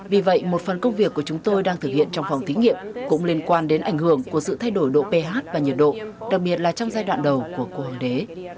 vì vậy một phần công việc của chúng tôi đang thực hiện trong phòng thí nghiệm cũng liên quan đến ảnh hưởng của sự thay đổi độ ph và nhiệt độ đặc biệt là trong giai đoạn đầu của cua hoàng đế